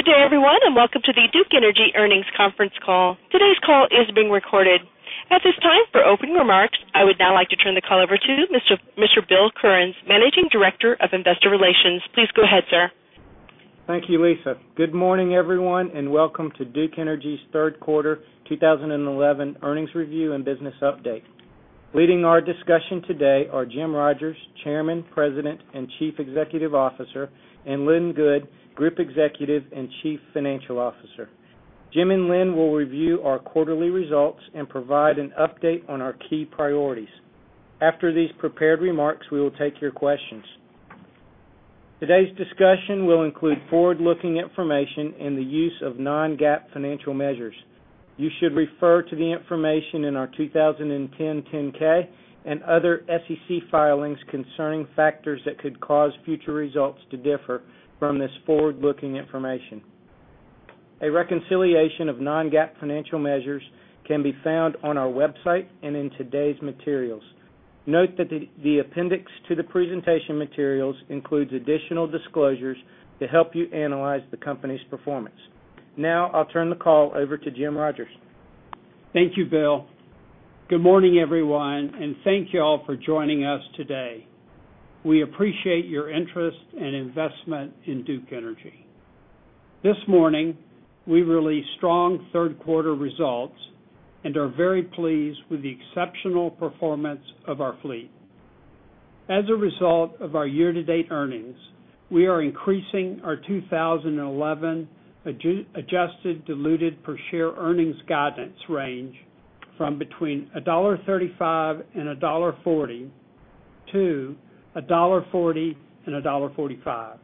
Good day, everyone, and welcome to the Duke Energy Earnings Conference Call. Today's call is being recorded. At this time, for opening remarks, I would now like to turn the call over to Mr. Bill Currens, Managing Director of Investor Relations. Please go ahead, sir. Thank you, Lisa. Good morning, everyone, and welcome to Duke Energy's Third Quarter 2011 Earnings Review and Business Update. Leading our discussion today are Jim Rogers, Chairman, President and Chief Executive Officer, and Lynn Good, Group Executive and Chief Financial Officer. Jim and Lynn will review our quarterly results and provide an update on our key priorities. After these prepared remarks, we will take your questions. Today's discussion will include forward-looking information and the use of non-GAAP financial measures. You should refer to the information in our 2010 10-K and other SEC filings concerning factors that could cause future results to differ from this forward-looking information. A reconciliation of non-GAAP financial measures can be found on our website and in today's materials. Note that the appendix to the presentation materials includes additional disclosures to help you analyze the company's performance. Now, I'll turn the call over to Jim Rogers. Thank you, Bill. Good morning, everyone, and thank you all for joining us today. We appreciate your interest and investment in Duke Energy. This morning, we released strong third-quarter results and are very pleased with the exceptional performance of our fleet. As a result of our year-to-date earnings, we are increasing our 2011 adjusted diluted per share earnings guidance range from between $1.35 and $1.40 to $1.40 and $1.45.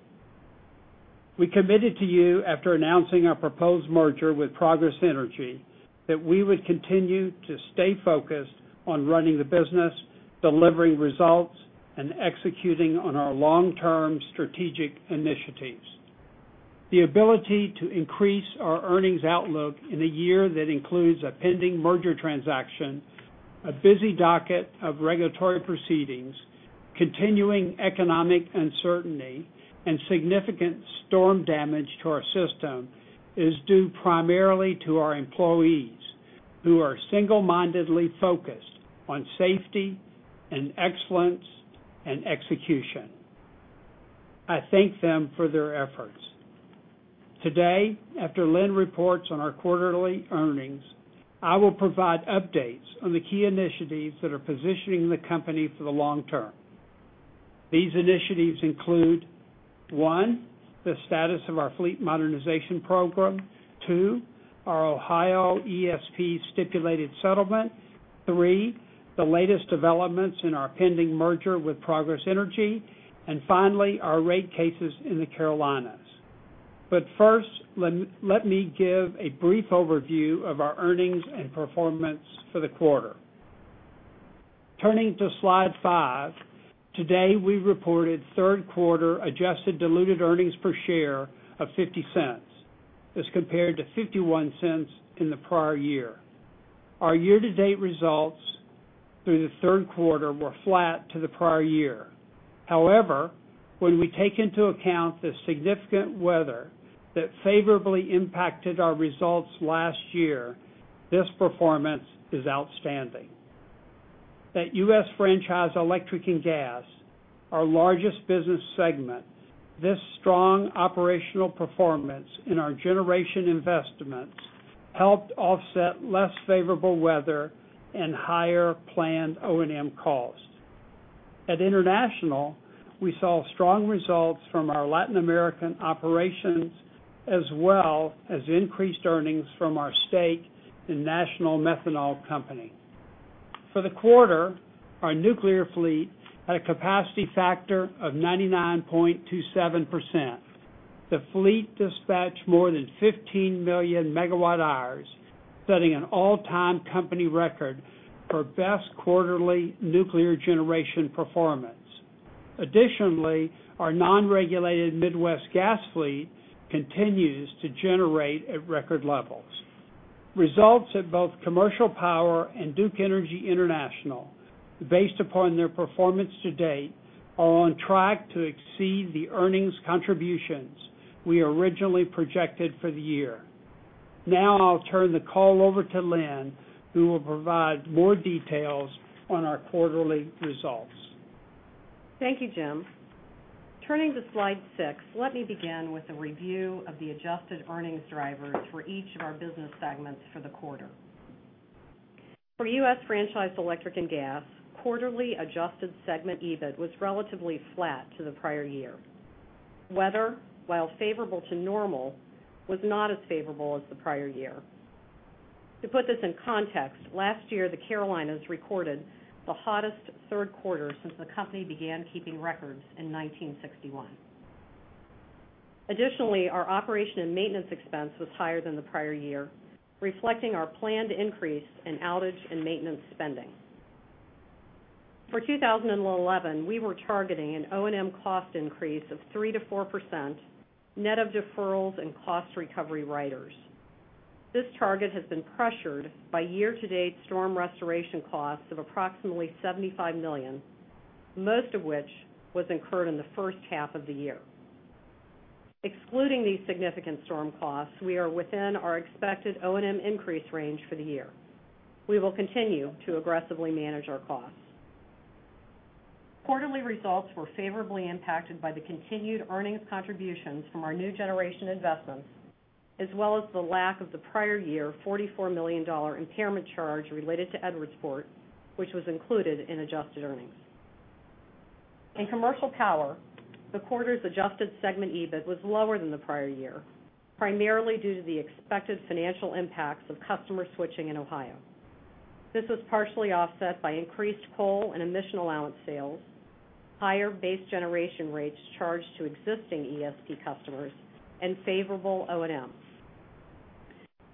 We committed to you after announcing our proposed merger with Progress Energy that we would continue to stay focused on running the business, delivering results, and executing on our long-term strategic initiatives. The ability to increase our earnings outlook in a year that includes a pending merger transaction, a busy docket of regulatory proceedings, continuing economic uncertainty, and significant storm damage to our system is due primarily to our employees, who are single-mindedly focused on safety and excellence and execution. I thank them for their efforts. Today, after Lynn reports on our quarterly earnings, I will provide updates on the key initiatives that are positioning the company for the long term. These initiatives include: one, the status of our fleet modernization program; two, our Ohio ESP stipulated settlement; three, the latest developments in our pending merger with Progress Energy; and finally, our rate cases in the Carolinas. First, let me give a brief overview of our earnings and performance for the quarter. Turning to slide five, today we reported third-quarter adjusted diluted earnings per share of $0.50. This is compared to $0.51 in the prior year. Our year-to-date results through the third quarter were flat to the prior year. However, when we take into account the significant weather that favorably impacted our results last year, this performance is outstanding. At U.S. Franchise Electric and Gas, our largest business segment, this strong operational performance in our generation investments helped offset less favorable weather and higher planned O&M costs. At International, we saw strong results from our Latin American operations, as well as increased earnings from our stake in National Methanol Company. For the quarter, our nuclear fleet had a capacity factor of 99.27%. The fleet dispatched more than 15 million MWh, setting an all-time company record for best quarterly nuclear generation performance. Additionally, our nonregulated Midwest gas fleet continues to generate at record levels. Results at both Commercial Power and Duke Energy International, based upon their performance to date, are on track to exceed the earnings contributions we originally projected for the year. Now, I'll turn the call over to Lynn, who will provide more details on our quarterly results. Thank you, Jim. Turning to Slide 6, let me begin with a review of the adjusted earnings drivers for each of our business segments for the quarter. For U.S. Franchise Electric and Gas, quarterly adjusted segment EBIT was relatively flat to the prior year. Weather, while favorable to normal, was not as favorable as the prior year. To put this in context, last year, the Carolinas recorded the hottest third quarter since the company began keeping records in 1961. Additionally, our operation and maintenance expense was higher than the prior year, reflecting our planned increase in outage and maintenance spending. For 2011, we were targeting an O&M cost increase of 3%-4% net of deferrals and cost recovery riders. This target has been pressured by year-to-date storm restoration costs of approximately $75 million, most of which was incurred in the first half of the year. Excluding these significant storm costs, we are within our expected O&M increase range for the year. We will continue to aggressively manage our costs. Quarterly results were favorably impacted by the continued earnings contributions from our new generation investments, as well as the lack of the prior year's $44 million impairment charge related to Edwardsport, which was included in adjusted earnings. In Commercial Power, the quarter's adjusted segment EBIT was lower than the prior year, primarily due to the expected financial impacts of customer switching in Ohio. This was partially offset by increased coal and emission allowance sales, higher base generation rates charged to existing ESP customers, and favorable O&M.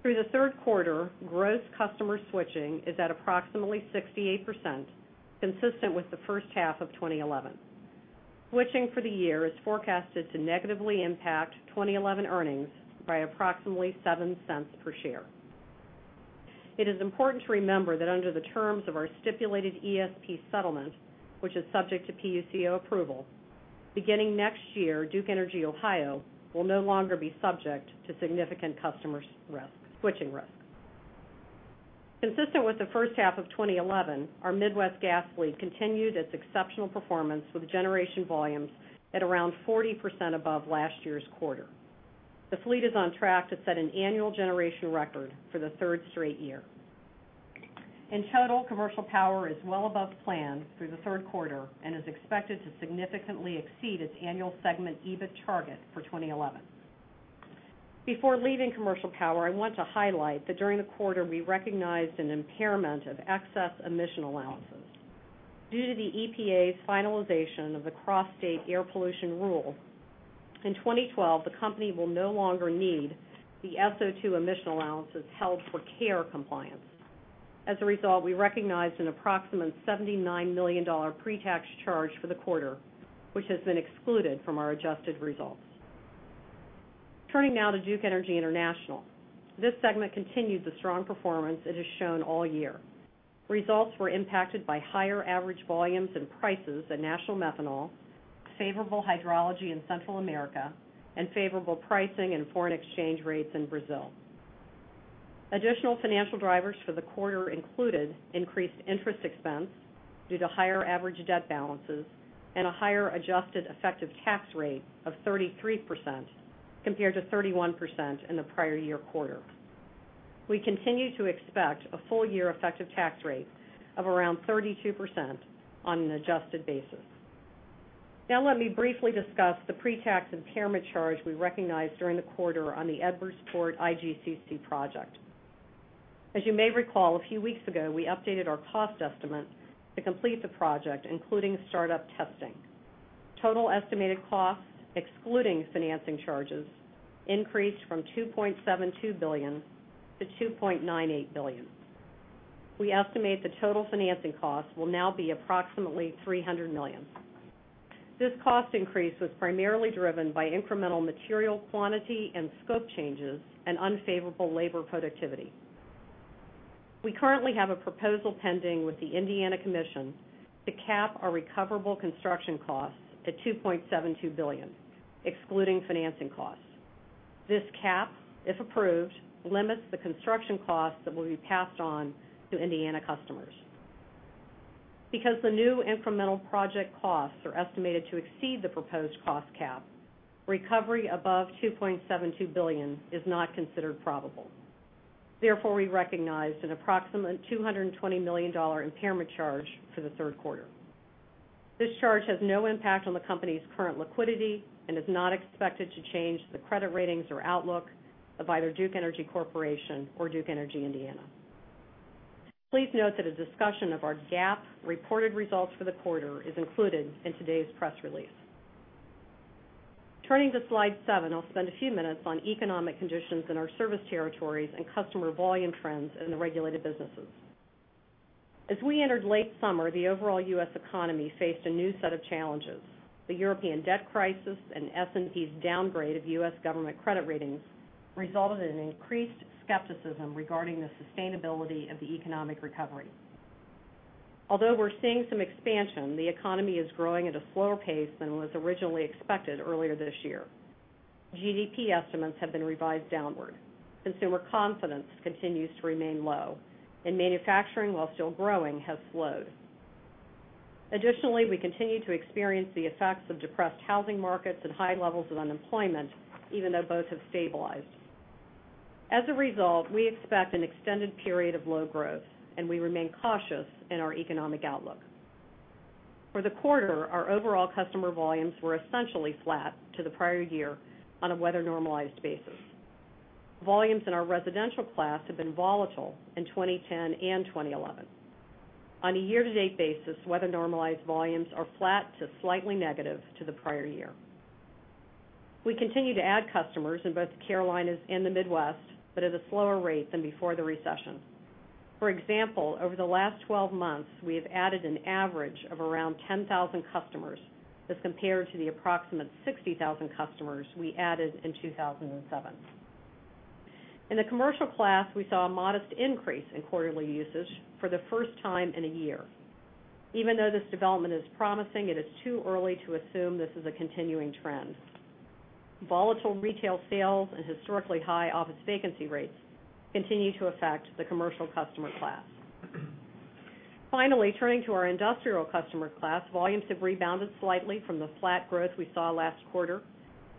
Through the third quarter, gross customer switching is at approximately 68%, consistent with the first half of 2011. Switching for the year is forecasted to negatively impact 2011 earnings by approximately $0.07 per share. It is important to remember that under the terms of our stipulated ESP settlement, which is subject to PUCO approval, beginning next year, Duke Energy Ohio will no longer be subject to significant customer switching risk. Consistent with the first half of 2011, our Midwest gas fleet continued its exceptional performance with generation volumes at around 40% above last year's quarter. The fleet is on track to set an annual generation record for the third straight year. In total, Commercial Power is well above plan through the third quarter and is expected to significantly exceed its annual segment EBIT target for 2011. Before leaving Commercial Power, I want to highlight that during the quarter, we recognized an impairment of excess emission allowances. Due to the EPA's finalization of the Cross-State Air Pollution Rule, in 2012, the company will no longer need the SO2 emission allowances held for CARE compliance. As a result, we recognized an approximate $79 million pre-tax charge for the quarter, which has been excluded from our adjusted results. Turning now to Duke Energy International, this segment continued the strong performance it has shown all year. Results were impacted by higher average volumes and prices at National Methanol, favorable hydrology in Central America, and favorable pricing and foreign exchange rates in Brazil. Additional financial drivers for the quarter included increased interest expense due to higher average debt balances and a higher adjusted effective tax rate of 33% compared to 31% in the prior year quarter. We continue to expect a full-year effective tax rate of around 32% on an adjusted basis. Now, let me briefly discuss the pre-tax impairment charge we recognized during the quarter on the Edwardsport IGCC project. As you may recall, a few weeks ago, we updated our cost estimate to complete the project, including startup testing. Total estimated cost, excluding financing charges, increased from $2.72 billion to $2.98 billion. We estimate the total financing cost will now be approximately $300 million. This cost increase was primarily driven by incremental material quantity and scope changes and unfavorable labor productivity. We currently have a proposal pending with the Indiana Commission to cap our recoverable construction costs at $2.72 billion, excluding financing costs. This cap, if approved, limits the construction costs that will be passed on to Indiana customers. Because the new incremental project costs are estimated to exceed the proposed cost cap, recovery above $2.72 billion is not considered probable. Therefore, we recognized an approximate $220 million impairment charge for the third quarter. This charge has no impact on the company's current liquidity and is not expected to change the credit ratings or outlook of either Duke Energy Corporation or Duke Energy Indiana. Please note that a discussion of our GAAP reported results for the quarter is included in today's press release. Turning to slide seven, I'll spend a few minutes on economic conditions in our service territories and customer volume trends in the regulated businesses. As we entered late summer, the overall U.S. economy faced a new set of challenges. The European debt crisis and S&P's downgrade of U.S. government credit ratings resulted in increased skepticism regarding the sustainability of the economic recovery. Although we're seeing some expansion, the economy is growing at a slower pace than was originally expected earlier this year. GDP estimates have been revised downward. Consumer confidence continues to remain low, and manufacturing, while still growing, has slowed. Additionally, we continue to experience the effects of depressed housing markets and high levels of unemployment, even though both have stabilized. As a result, we expect an extended period of low growth, and we remain cautious in our economic outlook. For the quarter, our overall customer volumes were essentially flat to the prior year on a weather-normalized basis. Volumes in our residential class have been volatile in 2010 and 2011. On a year-to-date basis, weather-normalized volumes are flat to slightly negative to the prior year. We continue to add customers in both the Carolinas and the Midwest, but at a slower rate than before the recession. For example, over the last 12 months, we have added an average of around 10,000 customers as compared to the approximate 60,000 customers we added in 2007. In the commercial class, we saw a modest increase in quarterly usage for the first time in a year. Even though this development is promising, it is too early to assume this is a continuing trend. Volatile retail sales and historically high office vacancy rates continue to affect the commercial customer class. Finally, turning to our industrial customer class, volumes have rebounded slightly from the flat growth we saw last quarter.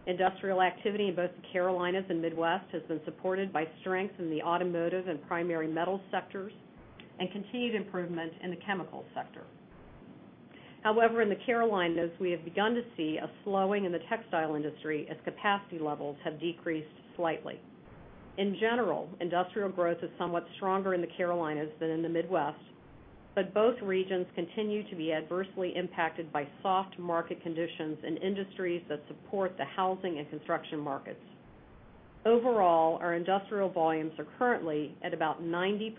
Industrial activity in both the Carolinas and Midwest has been supported by strength in the automotive and primary metals sectors and continued improvement in the chemical sector. However, in the Carolinas, we have begun to see a slowing in the textile industry as capacity levels have decreased slightly. In general, industrial growth is somewhat stronger in the Carolinas than in the Midwest, but both regions continue to be adversely impacted by soft market conditions in industries that support the housing and construction markets. Overall, our industrial volumes are currently at about 90%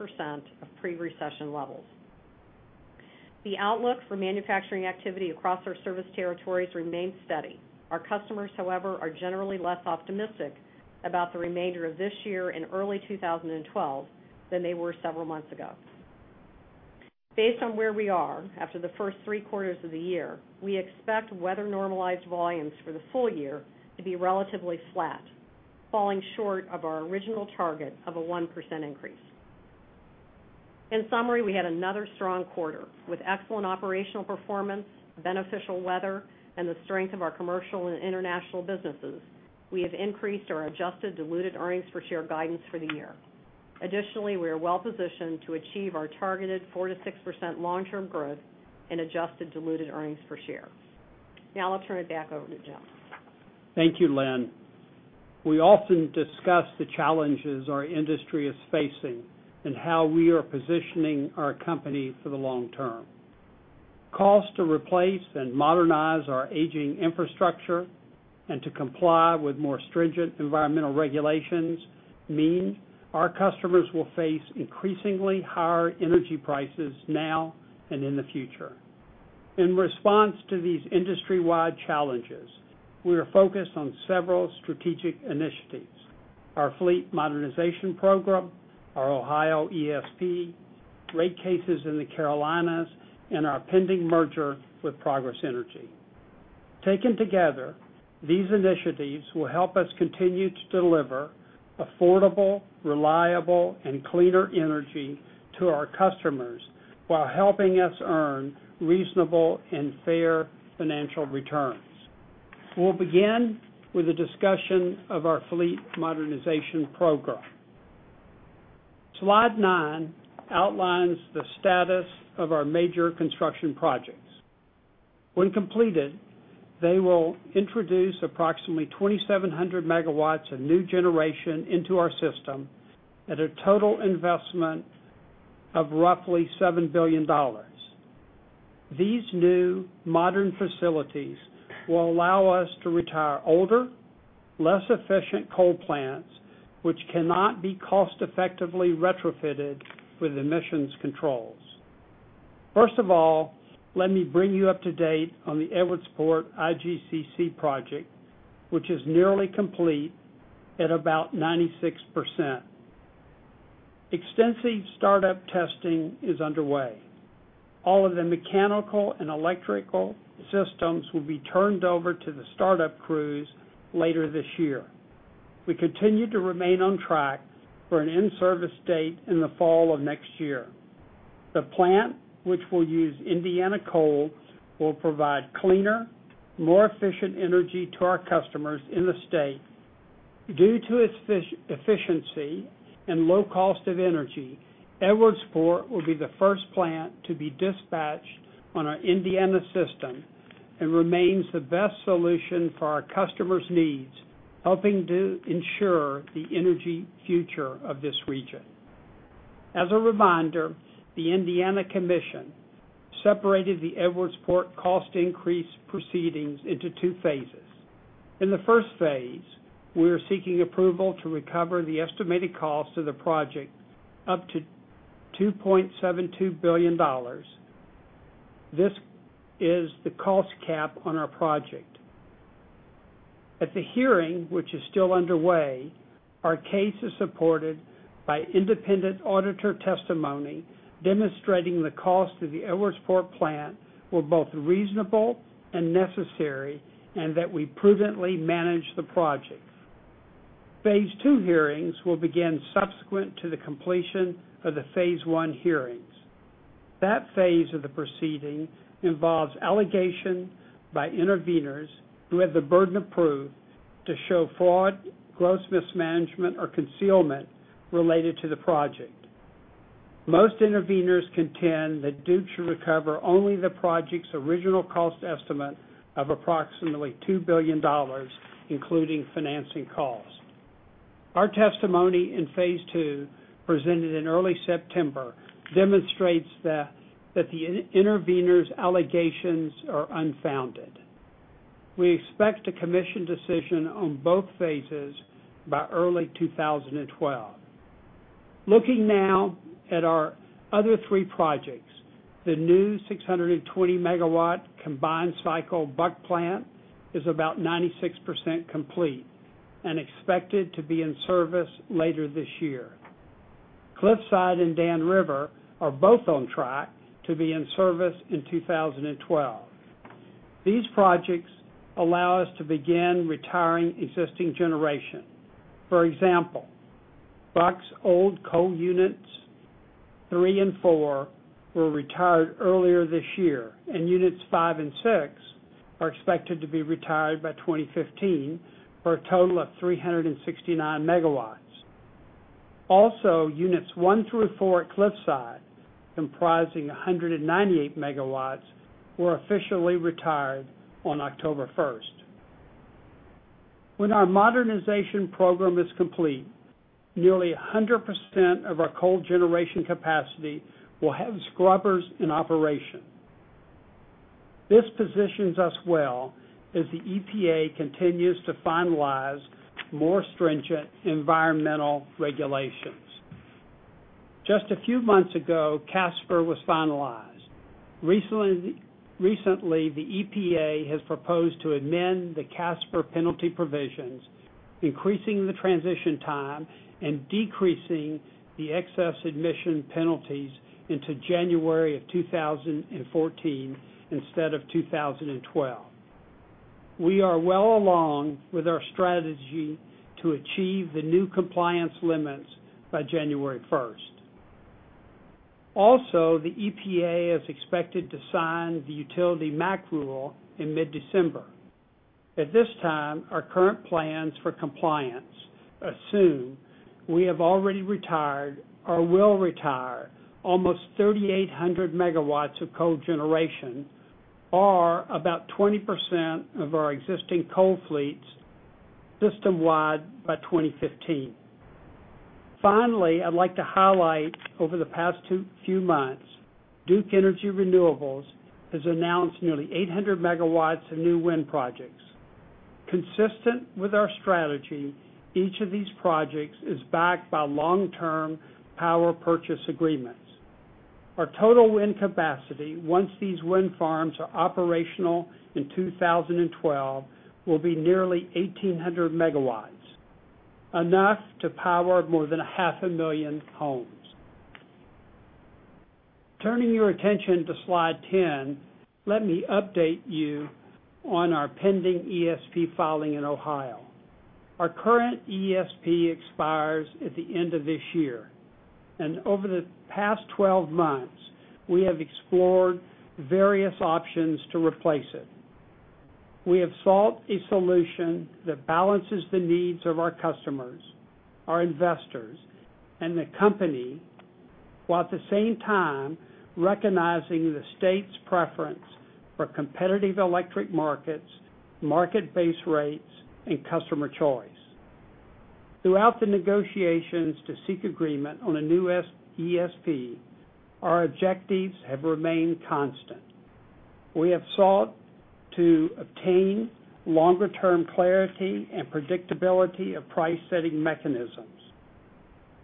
of pre-recession levels. The outlook for manufacturing activity across our service territories remains steady. Our customers, however, are generally less optimistic about the remainder of this year and early 2012 than they were several months ago. Based on where we are after the first three quarters of the year, we expect weather-normalized volumes for the full year to be relatively flat, falling short of our original target of a 1% increase. In summary, we had another strong quarter with excellent operational performance, beneficial weather, and the strength of our commercial and international businesses. We have increased our adjusted diluted earnings per share guidance for the year. Additionally, we are well positioned to achieve our targeted 4%-6% long-term growth in adjusted diluted earnings per share. Now, I'll turn it back over to Jim. Thank you, Lynn. We often discuss the challenges our industry is facing and how we are positioning our company for the long term. Costs to replace and modernize our aging infrastructure and to comply with more stringent environmental regulations mean our customers will face increasingly higher energy prices now and in the future. In response to these industry-wide challenges, we are focused on several strategic initiatives: our fleet modernization program, our Ohio ESP, rate cases in the Carolinas, and our pending merger with Progress Energy. Taken together, these initiatives will help us continue to deliver affordable, reliable, and cleaner energy to our customers while helping us earn reasonable and fair financial returns. We'll begin with a discussion of our fleet modernization program. Slide nine outlines the status of our major construction projects. When completed, they will introduce approximately 2,700 MW of new generation into our system at a total investment of roughly $7 billion. These new modern facilities will allow us to retire older, less efficient coal plants, which cannot be cost-effectively retrofitted with emissions controls. First of all, let me bring you up to date on the Edwardsport IGCC project, which is nearly complete at about 96%. Extensive startup testing is underway. All of the mechanical and electrical systems will be turned over to the startup crews later this year. We continue to remain on track for an in-service date in the fall of next year. The plant, which will use Indiana coal, will provide cleaner, more efficient energy to our customers in the state. Due to its efficiency and low cost of energy, Edwardsport will be the first plant to be dispatched on our Indiana system and remains the best solution for our customers' needs, helping to ensure the energy future of this region. As a reminder, the Indiana Commission separated the Edwardsport cost increase proceedings into two phases. In the first phase, we are seeking approval to recover the estimated cost of the project up to $2.72 billion. This is the cost cap on our project. At the hearing, which is still underway, our case is supported by independent auditor testimony demonstrating the cost of the Edwardsport plant were both reasonable and necessary and that we prudently managed the project. Phase two hearings will begin subsequent to the completion of the phase one hearings. That phase of the proceeding involves allegation by interveners who have the burden of proof to show fraud, gross mismanagement, or concealment related to the project. Most interveners contend that Duke should recover only the project's original cost estimate of approximately $2 billion, including financing costs. Our testimony in phase two, presented in early September, demonstrates that the intervener's allegations are unfounded. We expect the commission decision on both phases by early 2012. Looking now at our other three projects, the new 620 MW combined cycle Buck plant is about 96% complete and expected to be in service later this year. Cliffside and Dan River are both on track to be in service in 2012. These projects allow us to begin retiring existing generation. For example, Buck's old coal units three and four were retired earlier this year, and units five and six are expected to be retired by 2015 for a total of 369 MW. Also, units one through four at Cliffside, comprising 198 MW, were officially retired on October 1st. When our modernization program is complete, nearly 100% of our coal generation capacity will have scrubbers in operation. This positions us well as the EPA continues to finalize more stringent environmental regulations. Just a few months ago, Casper was finalized. Recently, the EPA has proposed to amend the Casper penalty provisions, increasing the transition time and decreasing the excess emission penalties into January of 2014 instead of 2012. We are well along with our strategy to achieve the new compliance limits by January 1st. Also, the EPA is expected to sign the utility MACT rule in mid-December. At this time, our current plans for compliance assume we have already retired or will retire almost 3,800 MW of coal generation or about 20% of our existing coal fleet system-wide by 2015. Finally, I'd like to highlight over the past few months, Duke Energy Renewables has announced nearly 800 MW of new wind projects. Consistent with our strategy, each of these projects is backed by long-term power purchase agreements. Our total wind capacity, once these wind farms are operational in 2012, will be nearly 1,800 MW, enough to power more than a 500,000 homes. Turning your attention to Slide 10, let me update you on our pending ESP filing in Ohio. Our current ESP expires at the end of this year, and over the past 12 months, we have explored various options to replace it. We have sought a solution that balances the needs of our customers, our investors, and the company, while at the same time recognizing the state's preference for competitive electric markets, market-based rates, and customer choice. Throughout the negotiations to seek agreement on a new ESP, our objectives have remained constant. We have sought to obtain longer-term clarity and predictability of price-setting mechanisms.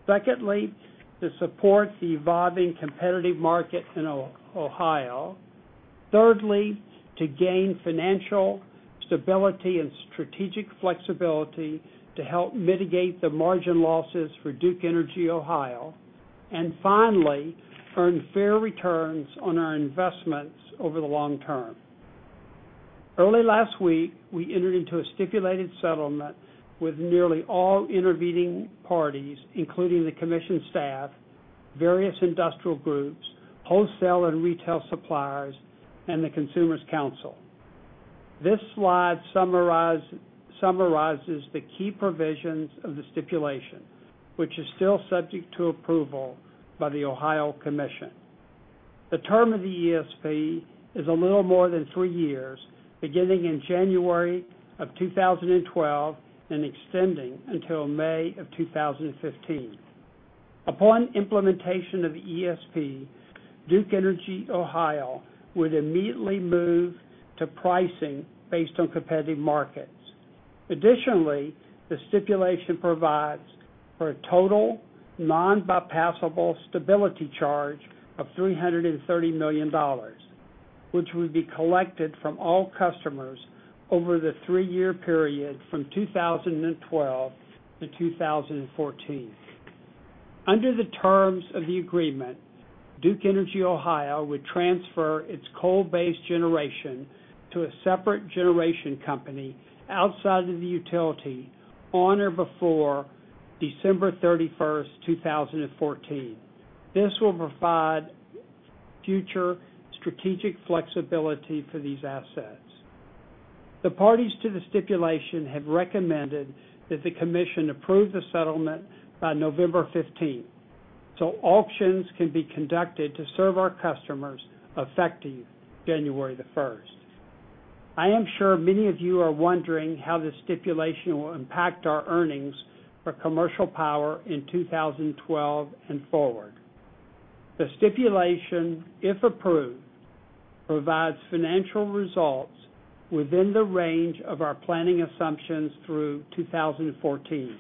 Secondly, to support the evolving competitive market in Ohio. Thirdly, to gain financial stability and strategic flexibility to help mitigate the margin losses for Duke Energy Ohio. Finally, earn fair returns on our investments over the long term. Early last week, we entered into a stipulated settlement with nearly all intervening parties, including the commission staff, various industrial groups, wholesale and retail suppliers, and the Consumers Council. This slide summarizes the key provisions of the stipulation, which is still subject to approval by the Ohio Commission. The term of the ESP is a little more than three years, beginning in January of 2012 and extending until May of 2015. Upon implementation of the ESP, Duke Energy Ohio would immediately move to pricing based on competitive markets. Additionally, the stipulation provides for a total non-bypassable stability charge of $330 million, which would be collected from all customers over the three-year period from 2012 to 2014. Under the terms of the agreement, Duke Energy Ohio would transfer its coal-based generation to a separate generation company outside of the utility on or before December 31st, 2014. This will provide future strategic flexibility for these assets. The parties to the stipulation have recommended that the commission approve the settlement by November 15th so auctions can be conducted to serve our customers effective January 1st. I am sure many of you are wondering how this stipulation will impact our earnings for Commercial Power in 2012 and forward. The stipulation, if approved, provides financial results within the range of our planning assumptions through 2014.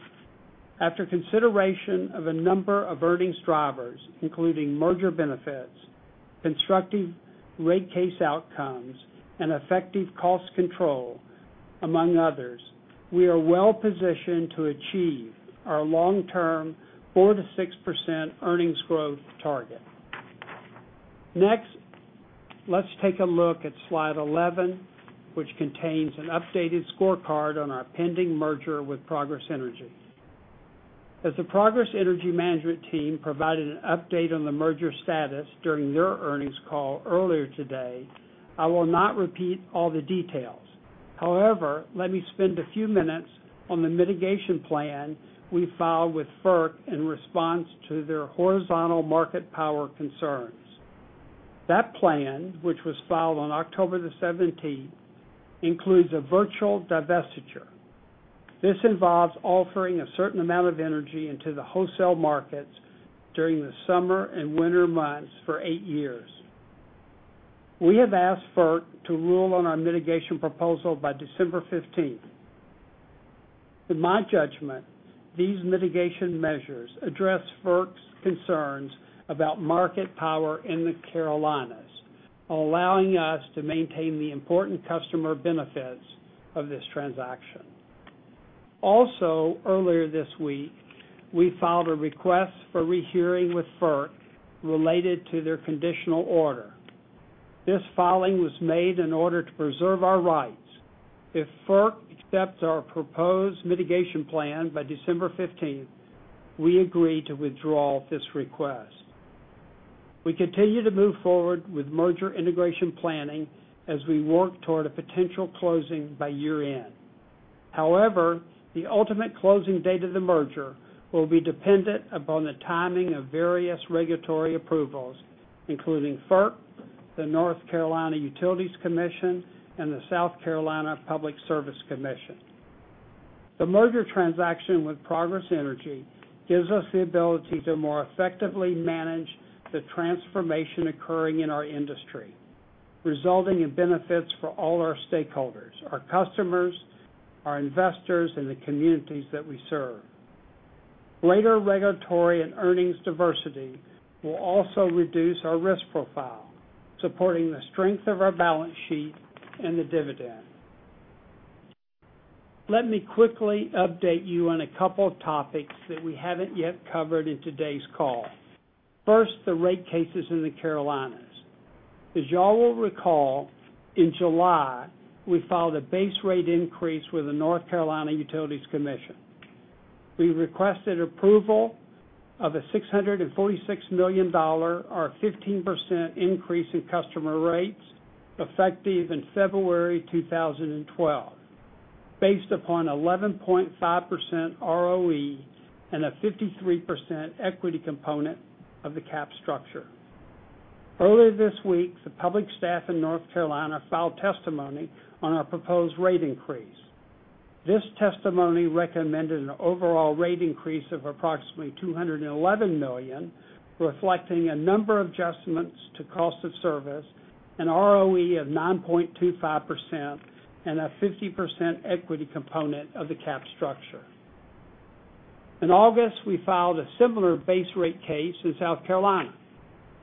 After consideration of a number of earnings drivers, including merger benefits, constructive rate case outcomes, and effective cost control, among others, we are well positioned to achieve our long-term 4%-6% earnings growth target. Next, let's take a look at Slide 11, which contains an updated scorecard on our pending merger with Progress Energy. As the Progress Energy management team provided an update on the merger status during their earnings call earlier today, I will not repeat all the details. However, let me spend a few minutes on the mitigation plan we filed with FERC in response to their horizontal market power concerns. That plan, which was filed on October 17, includes a virtual divestiture. This involves offering a certain amount of energy into the wholesale markets during the summer and winter months for eight years. We have asked FERC to rule on our mitigation proposal by December 15. In my judgment, these mitigation measures address FERC's concerns about market power in the Carolinas, allowing us to maintain the important customer benefits of this transaction. Also, earlier this week, we filed a request for rehearing with FERC related to their conditional order. This filing was made in order to preserve our rights. If FERC accepts our proposed mitigation plan by December 15, we agree to withdraw this request. We continue to move forward with merger integration planning as we work toward a potential closing by year-end. However, the ultimate closing date of the merger will be dependent upon the timing of various regulatory approvals, including FERC, the North Carolina Utilities Commission, and the South Carolina Public Service Commission. The merger transaction with Progress Energy gives us the ability to more effectively manage the transformation occurring in our industry, resulting in benefits for all our stakeholders, our customers, our investors, and the communities that we serve. Greater regulatory and earnings diversity will also reduce our risk profile, supporting the strength of our balance sheet and the dividend. Let me quickly update you on a couple of topics that we haven't yet covered in today's call. First, the rate cases in the Carolinas. As you all will recall, in July, we filed a base rate increase with the North Carolina Utilities Commission. We requested approval of a $646 million, or a 15% increase in customer rates, effective in February 2012, based upon an 11.5% ROE and a 53% equity component of the cap structure. Earlier this week, the public staff in North Carolina filed testimony on our proposed rate increase. This testimony recommended an overall rate increase of approximately $211 million, reflecting a number of adjustments to cost of service, an ROE of 9.25%, and a 50% equity component of the cap structure. In August, we filed a similar base rate case in South Carolina.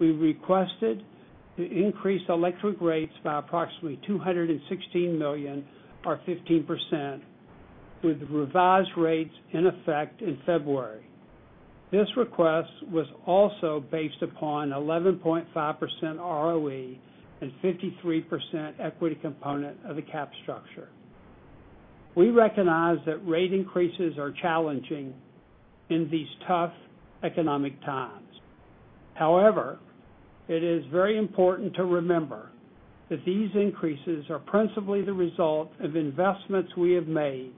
We requested to increase electric rates by approximately $216 million, or 15%, with the revised rates in effect in February. This request was also based upon an 11.5% ROE and a 53% equity component of the cap structure. We recognize that rate increases are challenging in these tough economic times. However, it is very important to remember that these increases are principally the result of investments we have made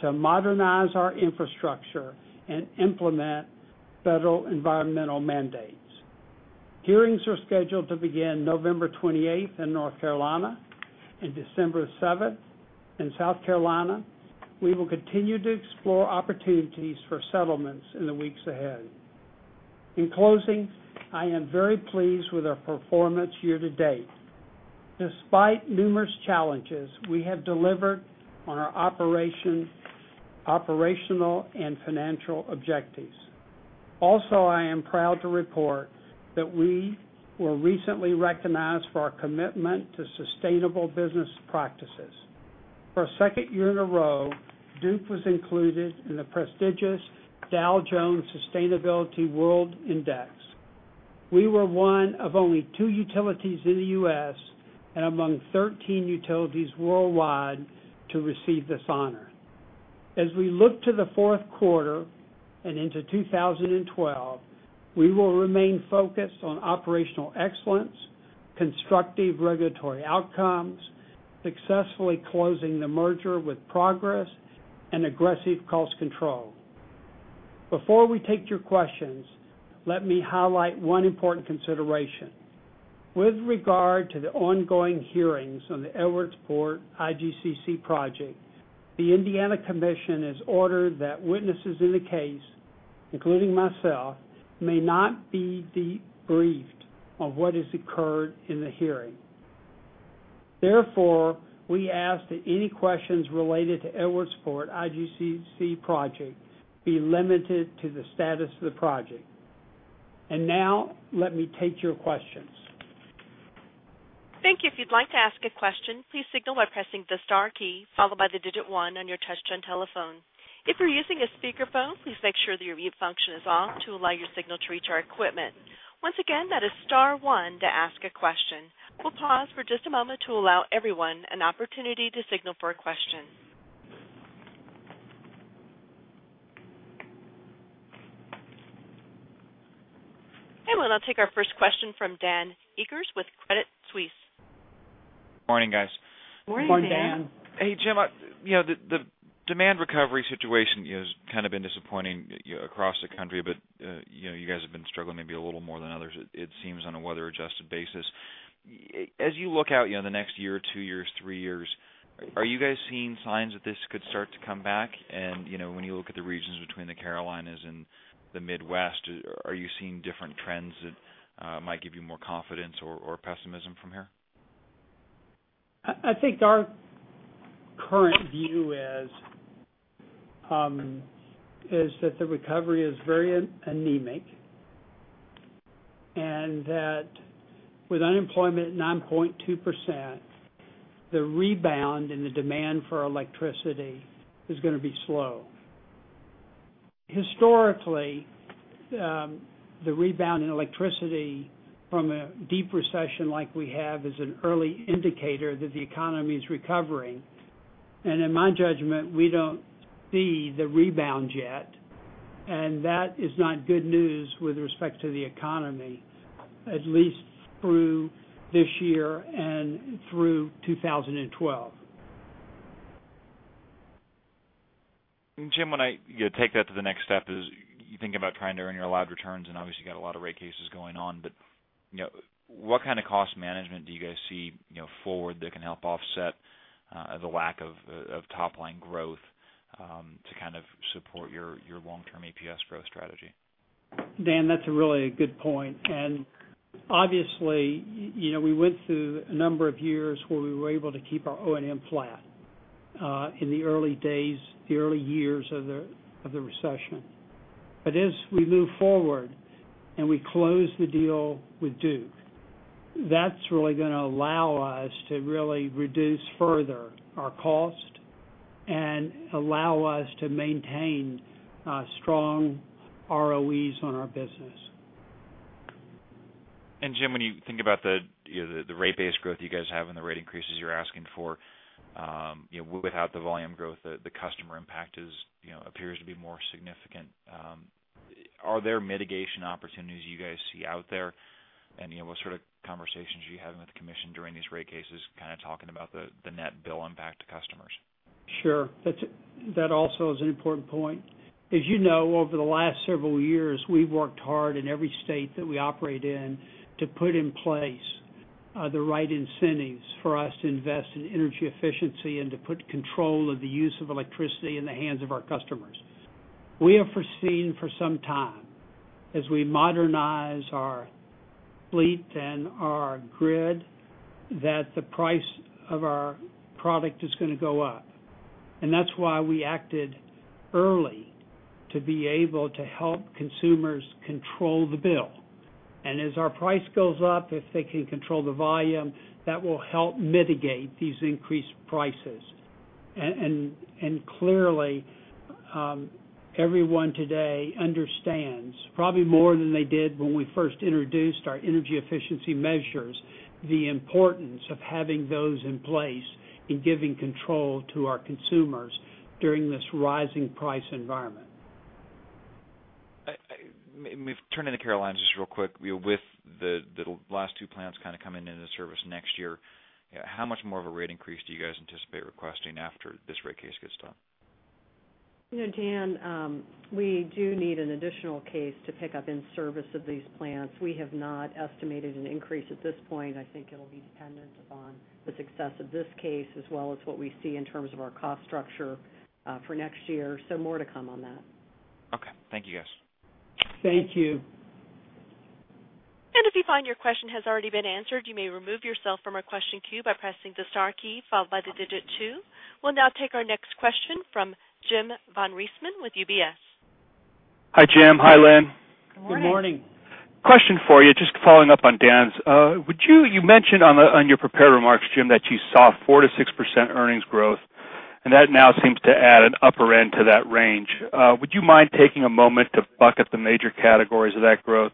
to modernize our infrastructure and implement federal environmental mandates. Hearings are scheduled to begin November 28th in North Carolina and December 7th in South Carolina. We will continue to explore opportunities for settlements in the weeks ahead. In closing, I am very pleased with our performance year to date. Despite numerous challenges, we have delivered on our operational and financial objectives. Also, I am proud to report that we were recently recognized for our commitment to sustainable business practices. For a second year in a row, Duke Energy was included in the prestigious Dow Jones Sustainability World Index. We were one of only two utilities in the U.S. and among 13 utilities worldwide to receive this honor. As we look to the fourth quarter and into 2012, we will remain focused on operational excellence, constructive regulatory outcomes, successfully closing the merger with Progress Energy, and aggressive cost control. Before we take your questions, let me highlight one important consideration. With regard to the ongoing hearings on the Edwardsport IGCC project, the Indiana Commission has ordered that witnesses in the case, including myself, may not be debriefed on what has occurred in the hearing. Therefore, we ask that any questions related to the Edwardsport IGCC project be limited to the status of the project. Now, let me take your questions. Thank you. If you'd like to ask a question, please signal by pressing the star key, followed by the digit one on your touch-tone telephone. If you're using a speakerphone, please make sure the mute function is off to allow your signal to reach our equipment. Once again, that is star one to ask a question. We'll pause for just a moment to allow everyone an opportunity to signal for a question. Hey, Lynn, I'll take our first question from Dan Eggers with Credit Suisse. Morning, guys. Morning, Dan. Hey, Jim. The demand recovery situation has kind of been disappointing across the country, but you guys have been struggling maybe a little more than others, it seems, on a weather-adjusted basis. As you look out the next year, two years, three years, are you guys seeing signs that this could start to come back? When you look at the regions between the Carolinas and the Midwest, are you seeing different trends that might give you more confidence or pessimism from here? I think our current view is that the recovery is very anemic and that with unemployment at 9.2%, the rebound in the demand for electricity is going to be slow. Historically, the rebound in electricity from a deep recession like we have is an early indicator that the economy is recovering. In my judgment, we don't see the rebound yet. That is not good news with respect to the economy, at least through this year and through 2012. Jim, when I take that to the next step, you think about trying to earn your allowed returns and obviously got a lot of rate cases going on, but you know, what kind of cost management do you guys see forward that can help offset the lack of top-line growth to kind of support your long-term EPS growth strategy? Dan, that's a really good point. Obviously, you know, we went through a number of years where we were able to keep our O&M flat in the early days, the early years of the recession. As we move forward and we close the deal with Duke, that's really going to allow us to really reduce further our cost and allow us to maintain strong ROEs on our business. Jim, when you think about the rate-based growth you guys have and the rate increases you're asking for, you know, without the volume growth, the customer impact appears to be more significant. Are there mitigation opportunities you guys see out there? What sort of conversations are you having with the commission during these rate cases, kind of talking about the net bill impact to customers? Sure. That also is an important point. As you know, over the last several years, we've worked hard in every state that we operate in to put in place the right incentives for us to invest in energy efficiency and to put control of the use of electricity in the hands of our customers. We have foreseen for some time, as we modernize our fleet and our grid, that the price of our product is going to go up. That is why we acted early to be able to help consumers control the bill. As our price goes up, if they can control the volume, that will help mitigate these increased prices. Clearly, everyone today understands, probably more than they did when we first introduced our energy efficiency measures, the importance of having those in place and giving control to our consumers during this rising price environment. Turning to the Carolinas just real quick, with the last two plants kind of coming into service next year, how much more of a rate increase do you guys anticipate requesting after this rate case gets done? Dan, we do need an additional case to pick up in service of these plants. We have not estimated an increase at this point. I think it'll be dependent upon the success of this case, as well as what we see in terms of our cost structure for next year. More to come on that. Okay. Thank you, guys. Thank you. If you find your question has already been answered, you may remove yourself from the question queue by pressing the star key, followed by the digit two. We'll now take our next question from Jim von Rieesman with UBS. Hi, Jim. Hi, Lynn. Good morning. Question for you, just following up on Dan's. You mentioned on your prepared remarks, Jim, that you saw 4%-6% earnings growth, and that now seems to add an upper end to that range. Would you mind taking a moment to bucket the major categories of that growth?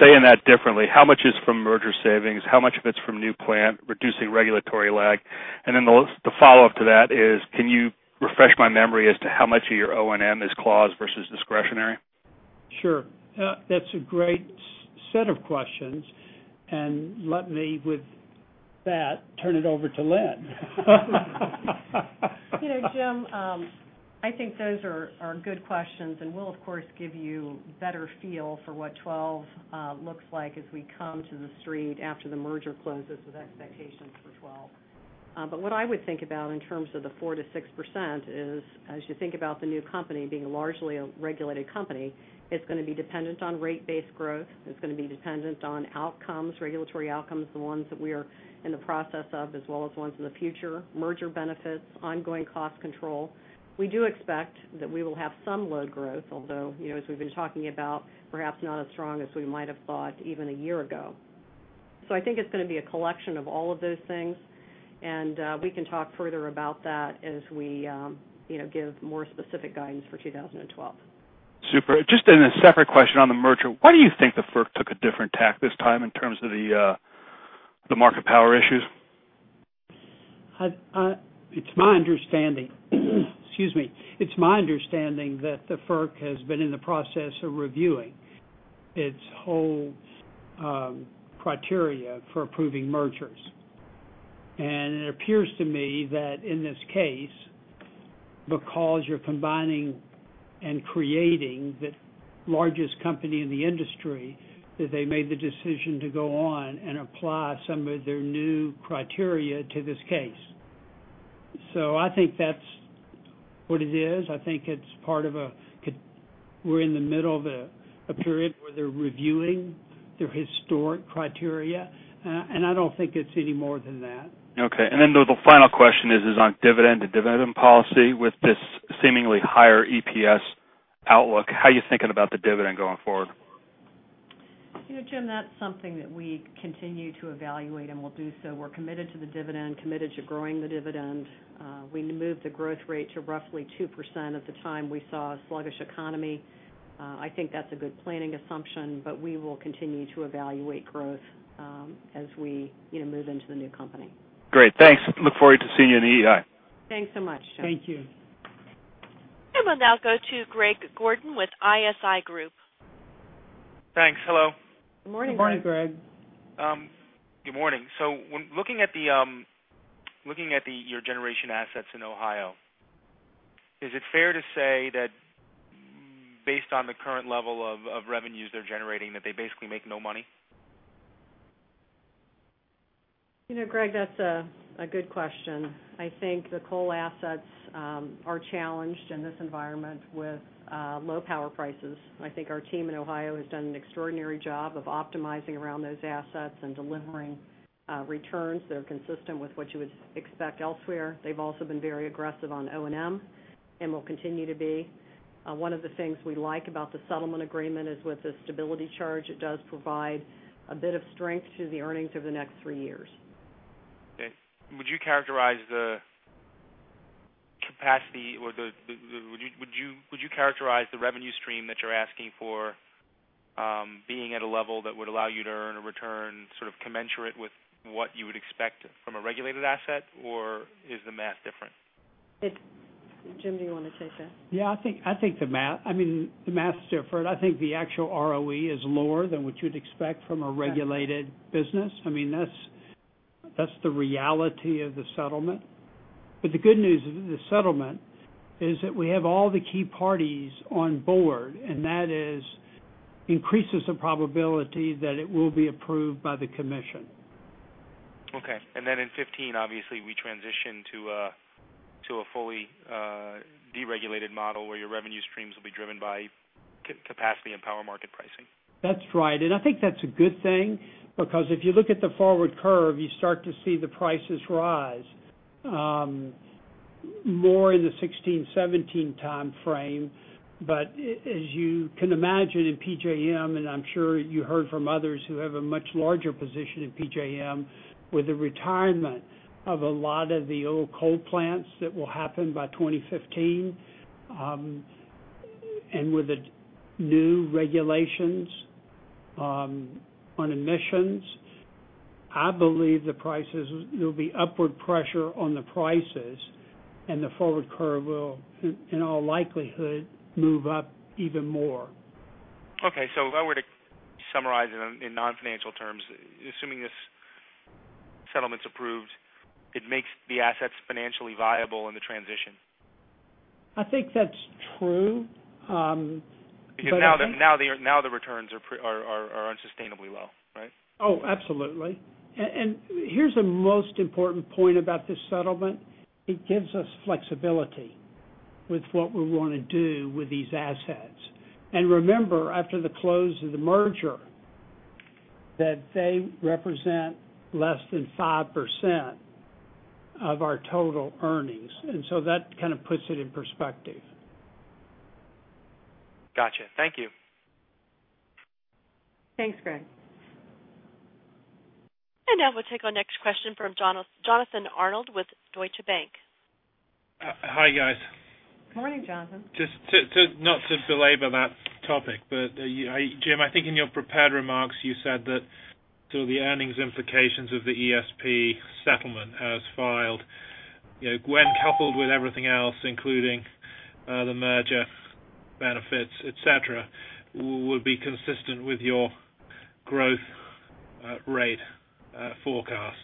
Saying that differently, how much is from merger savings? How much of it's from new plant reducing regulatory lag? The follow-up to that is, can you refresh my memory as to how much of your O&M is clause versus discretionary? Sure. That's a great set of questions. Let me, with that, turn it over to Lynn. You know, Jim, I think those are good questions, and we'll, of course, give you a better feel for what 2012 looks like as we come to the street after the merger closes with expectations for 2012. What I would think about in terms of the 4%-6% is, as you think about the new company being a largely regulated company, it's going to be dependent on rate-based growth. It's going to be dependent on outcomes, regulatory outcomes, the ones that we are in the process of, as well as the ones in the future, merger benefits, ongoing cost control. We do expect that we will have some low growth, although, you know, as we've been talking about, perhaps not as strong as we might have thought even a year ago. I think it's going to be a collection of all of those things, and we can talk further about that as we, you know, give more specific guidance for 2012. Super. Just in a separate question on the merger, why do you think the FERC took a different tack this time in terms of the market power issues? It's my understanding that the FERC has been in the process of reviewing its whole criteria for approving mergers. It appears to me that in this case, because you're combining and creating the largest company in the industry, they made the decision to go on and apply some of their new criteria to this case. I think that's what it is. I think it's part of a period where they're reviewing their historic criteria, and I don't think it's any more than that. Okay. The final question is on the dividend, the dividend policy. With this seemingly higher EPS outlook, how are you thinking about the dividend going forward? You know, Jim, that's something that we continue to evaluate, and we'll do so. We're committed to the dividend, committed to growing the dividend. We moved the growth rate to roughly 2% at the time we saw a sluggish economy. I think that's a good planning assumption, but we will continue to evaluate growth as we move into the new company. Great. Thanks. Look forward to seeing you in the E.I. Thanks so much, Jim. Thank you. We will now go to Greg Gordon with ISI Group. Thanks. Hello. Good morning, Greg. Morning, Greg. Good morning. When looking at your generation assets in Ohio, is it fair to say that based on the current level of revenues they're generating, they basically make no money? You know, Greg, that's a good question. I think the coal assets are challenged in this environment with low power prices. I think our team in Ohio has done an extraordinary job of optimizing around those assets and delivering returns that are consistent with what you would expect elsewhere. They've also been very aggressive on O&M and will continue to be. One of the things we like about the settlement agreement is with the stability charge, it does provide a bit of strength to the earnings over the next three years. Okay. Would you characterize the capacity or would you characterize the revenue stream that you're asking for being at a level that would allow you to earn a return sort of commensurate with what you would expect from a regulated asset, or is the math different? Jim, do you want to take that? Yeah, I think the math, I mean, the math's different. I think the actual ROE is lower than what you'd expect from a regulated business. I mean, that's the reality of the settlement. The good news of the settlement is that we have all the key parties on board, and that increases the probability that it will be approved by the commission. Okay. In 2015, obviously, we transition to a fully deregulated model where your revenue streams will be driven by capacity and power market pricing. That's right. I think that's a good thing because if you look at the forward curve, you start to see the prices rise more in the 2016-2017 timeframe. As you can imagine in PJM, and I'm sure you heard from others who have a much larger position in PJM, with the retirement of a lot of the old coal plants that will happen by 2015 and with the new regulations on emissions, I believe there'll be upward pressure on the prices, and the forward curve will, in all likelihood, move up even more. Okay. If I were to summarize in non-financial terms, assuming this settlement's approved, it makes the assets financially viable in the transition. I think that's true. The returns are unsustainably low, right? Absolutely. Here's the most important point about this settlement: it gives us flexibility with what we want to do with these assets. Remember, after the close of the merger, they represent less than 5% of our total earnings, so that kind of puts it in perspective. Gotcha. Thank you. Thanks, Greg. We will take our next question from Jonathan Arnold with Deutsche Bank. Hi, you guys. Morning, Jonathan. Just to not belabor that topic, Jim, I think in your prepared remarks, you said that through the earnings implications of the ESP settlement as filed, when coupled with everything else, including the merger benefits, etc., will be consistent with your growth rate forecast.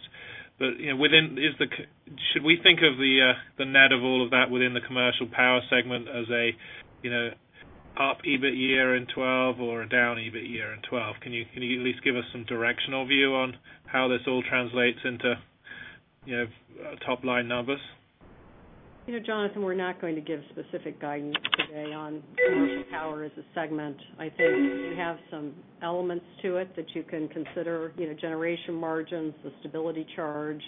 Should we think of the net of all of that within the commercial power segment as an up EBIT year in 2012 or a down EBIT year in 2012? Can you at least give us some directional view on how this all translates into top-line numbers? You know, Jonathan, we're not going to give specific guidance today on commercial power as a segment. I'd say you have some elements to it that you can consider: generation margins, the stability charge,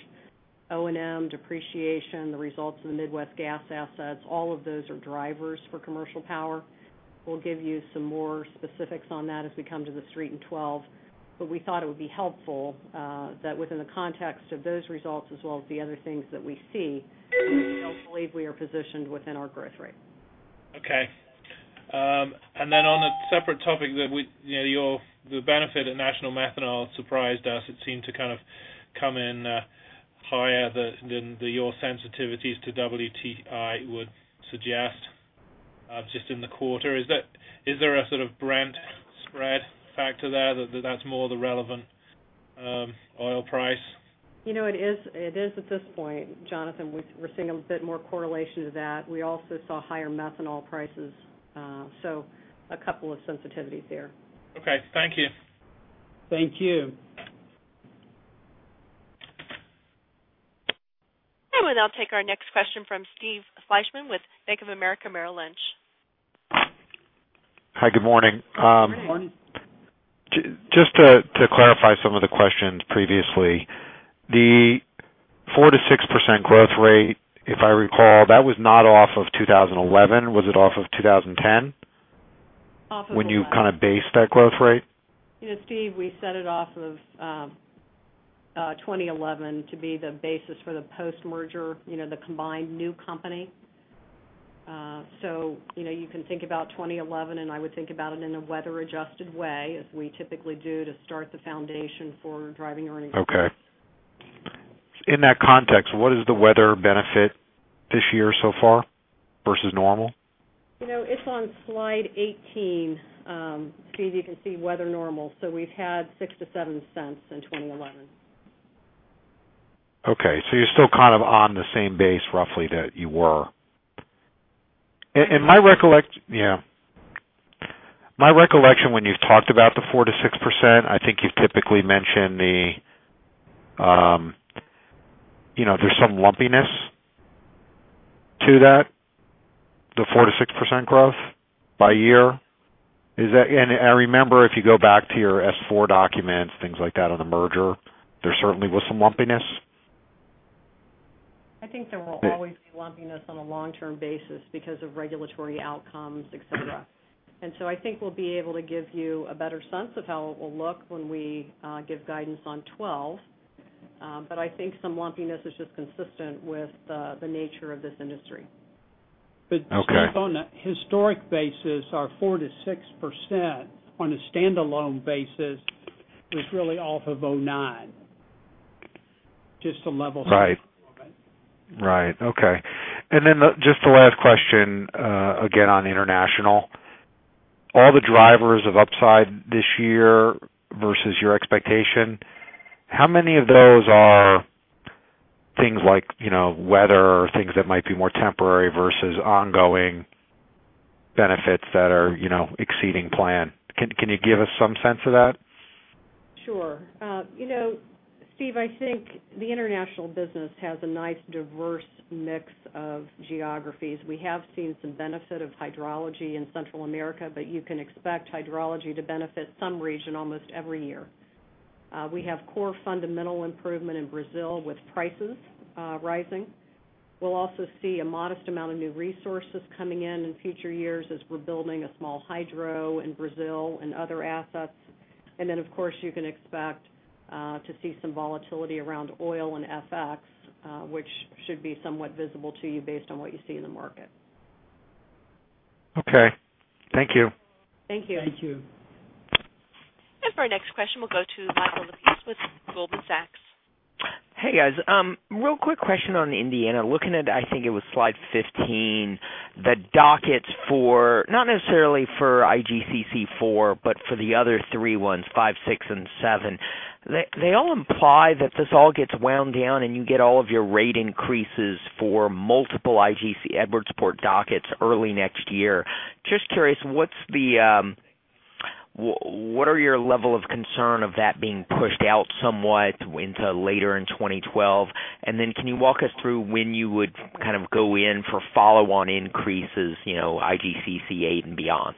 O&M, depreciation, the results of the Midwest gas assets. All of those are drivers for commercial power. We'll give you some more specifics on that as we come to the street in 2012. We thought it would be helpful that within the context of those results, as well as the other things that we see, we still believe we are positioned within our growth rate. Okay. On a separate topic, the benefit of National Methanol surprised us. It seemed to kind of come in higher than your sensitivities to WTI would suggest, just in the quarter. Is there a sort of brand spread factor there that's more the relevant oil price? You know, it is at this point, Jonathan, we're seeing a bit more correlation to that. We also saw higher methanol prices. A couple of sensitivities here. Okay, thank you. Thank you. We will now take our next question from Steve Fleishman with Bank of America Merrill Lynch. Hi, good morning. Good morning. Just to clarify some of the questions previously, the 4%-6% growth rate, if I recall, that was not off of 2011. Was it off of 2010 when you kind of based that growth rate? You know, Steve, we set it off of 2011 to be the basis for the post-merger, you know, the combined new company. You can think about 2011, and I would think about it in a weather-adjusted way, as we typically do, to start the foundation for driving earnings. Okay. In that context, what is the weather benefit this year so far versus normal? You know, it's on Slide 18. Steve, you can see weather normal. We've had $0.06-$0.07 in 2011. Okay. You're still kind of on the same base, roughly, that you were. My recollection when you've talked about the 4%-6%, I think you've typically mentioned there's some lumpiness to that, the 4%-6% growth by year. Is that, and I remember if you go back to your S-4 documents, things like that on the merger, there certainly was some lumpiness. I think there will always be lumpiness on a long-term basis because of regulatory outcomes, etc. I think we'll be able to give you a better sense of how it will look when we give guidance on 2012. I think some lumpiness is just consistent with the nature of this industry. On a historic basis, our 4%-6% on a standalone basis was really off of 2009, just a level set of it. Right. Okay. Just the last question, again, on the international, all the drivers of upside this year versus your expectation, how many of those are things like, you know, weather or things that might be more temporary versus ongoing benefits that are, you know, exceeding plan? Can you give us some sense of that? Sure. You know, Steve, I think the international business has a nice diverse mix of geographies. We have seen some benefit of hydrology in Central America, but you can expect hydrology to benefit some region almost every year. We have core fundamental improvement in Brazil with prices rising. We'll also see a modest amount of new resources coming in in future years as we're building a small hydro in Brazil and other assets. Of course, you can expect to see some volatility around oil and FX, which should be somewhat visible to you based on what you see in the market. Okay, thank you. Thank you. Thank you. For our next question, we'll go to Michael Ng with Goldman Sachs. Hey, guys. Real quick question on Indiana. Looking at, I think it was Slide 15, the dockets for not necessarily for IGCC4, but for the other three ones, five, six, and seven. They all imply that this all gets wound down and you get all of your rate increases for multiple Edwardsport dockets early next year. Just curious, what's the, what are your level of concern of that being pushed out somewhat into later in 2012? Can you walk us through when you would kind of go in for follow-on increases, you know, IGCC8 and beyond?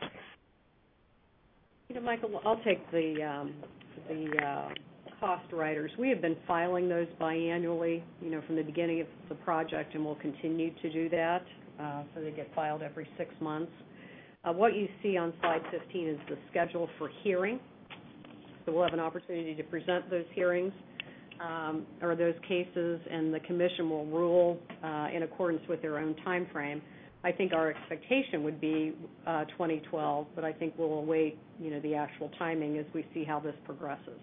You know, Michael, I'll take the cost riders. We have been filing those biannually, you know, from the beginning of the project, and we'll continue to do that. They get filed every six months. What you see on Slide 15 is the schedule for hearing. We'll have an opportunity to present those hearings or those cases, and the commission will rule in accordance with their own timeframe. I think our expectation would be 2012, but I think we'll await the actual timing as we see how this progresses.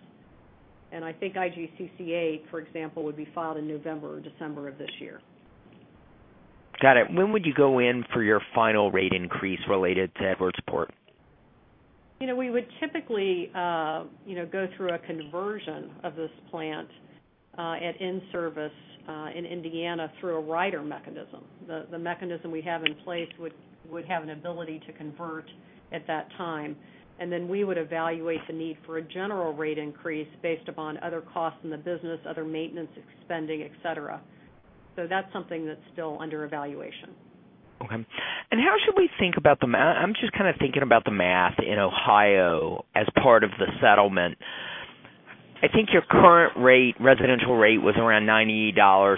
I think IGCC8, for example, would be filed in November or December of this year. Got it. When would you go in for your final rate increase related to Edwardsport? We would typically go through a conversion of this plant at in-service in Indiana through a rider mechanism. The mechanism we have in place would have an ability to convert at that time. We would evaluate the need for a general rate increase based upon other costs in the business, other maintenance spending, etc. That's something that's still under evaluation. Okay. How should we think about the math? I'm just kind of thinking about the math in Ohio as part of the settlement. I think your current residential rate was around $90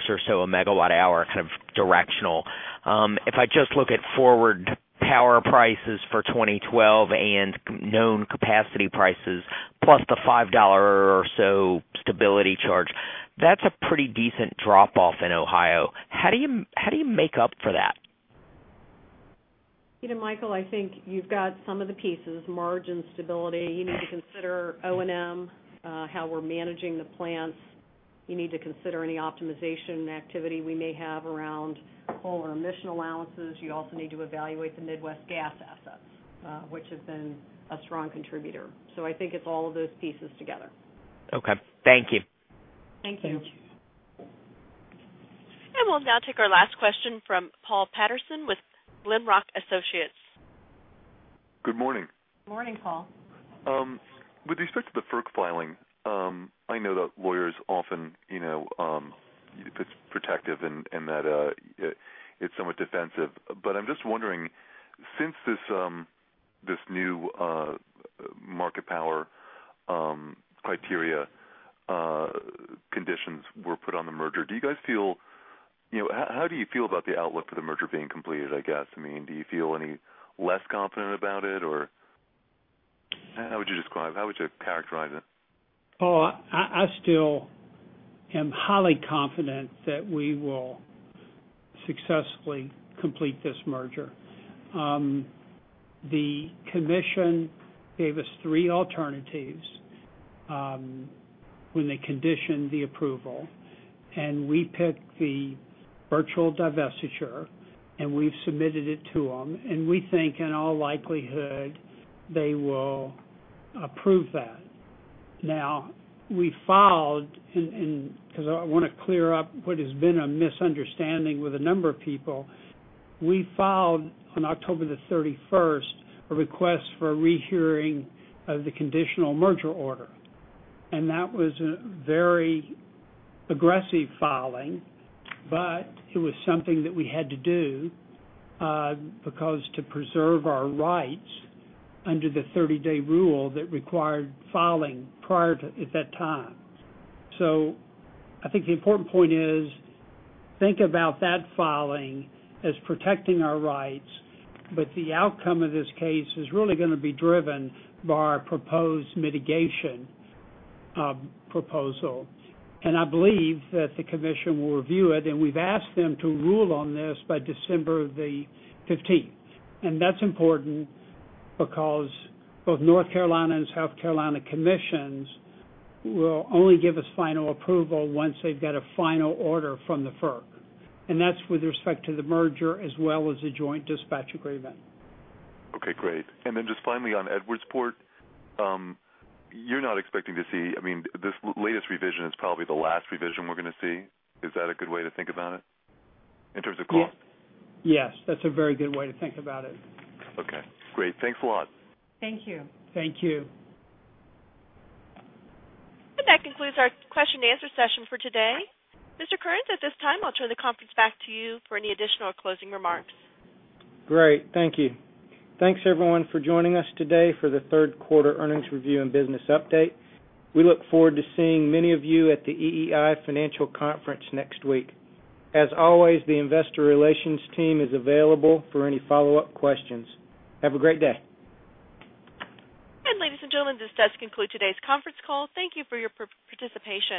or so a megawatt hour, kind of directional. If I just look at forward power prices for 2012 and known capacity prices, plus the $5 or so stability charge, that's a pretty decent drop-off in Ohio. How do you make up for that? You know. Michael, I think you've got some of the pieces, margin stability. You need to consider O&M, how we're managing the plants. You need to consider any optimization activity we may have around all our emission allowances. You also need to evaluate the Midwest gas assets, which have been a strong contributor. I think it's all of those pieces together. Okay, thank you. Thank you. We will now take our last question from Paul Patterson with Glenrock Associates. Good morning. Good morning, Paul. With respect to the FERC filing, I know that lawyers often, you know, it's protective and that it's somewhat defensive. I'm just wondering, since this new market power criteria conditions were put on the merger, do you guys feel, you know, how do you feel about the outlook for the merger being completed? I mean, do you feel any less confident about it, or how would you describe? How would you characterize it? Oh, I still am highly confident that we will successfully complete this merger. The commission gave us three alternatives when they conditioned the approval, and we picked the virtual divestiture, and we've submitted it to them. We think, in all likelihood, they will approve that. I want to clear up what has been a misunderstanding with a number of people. We filed on October 31st a request for a rehearing of the conditional merger order. That was a very aggressive filing, but it was something that we had to do to preserve our rights under the 30-day rule that required filing prior to that time. I think the important point is to think about that filing as protecting our rights, but the outcome of this case is really going to be driven by our proposed mitigation proposal. I believe that the commission will review it, and we've asked them to rule on this by December 15. That's important because both North Carolina and South Carolina commissions will only give us final approval once they've got a final order from the FERC. That's with respect to the merger as well as the joint dispatch agreement. Okay, great. Finally, on Edwardsport, you're not expecting to see, I mean, this latest revision is probably the last revision we're going to see. Is that a good way to think about it in terms of cost? Yes, that's a very good way to think about it. Okay, great. Thanks a lot. Thank you. Thank you. That concludes our question-and-answer session for today. Mr. Currens, at this time, I'll turn the conference back to you for any additional or closing remarks. Great. Thank you. Thanks, everyone, for joining us today for the third quarter earnings review and business update. We look forward to seeing many of you at the EEI Financial Conference next week. As always, the Investor Relations team is available for any follow-up questions. Have a great day. Ladies and gentlemen, this does conclude today's conference call. Thank you for your participation.